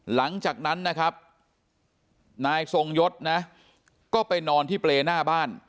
หลังจากนั้นนะครับนายทรงยศนะก็ไปนอนที่เปรย์หน้าบ้าน